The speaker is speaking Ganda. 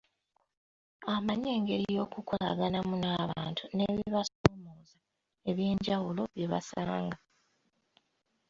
Amanyi engeri y'okukolaganamu n'abantu n'ebibasomooza eby'enjawulo bye basanga.